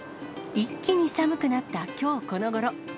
一気に寒くなったきょうこの頃。